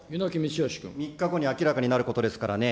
３日後に明らかになることですからね。